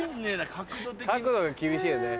角度が厳しいよね。